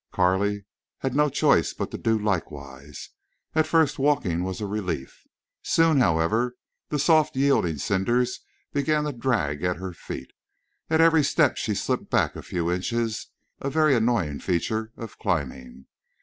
Carley had no choice but to do likewise. At first walking was a relief. Soon, however, the soft yielding cinders began to drag at her feet. At every step she slipped back a few inches, a very annoying feature of climbing.